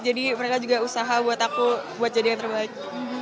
jadi mereka juga usaha buat aku jadi yang terbaik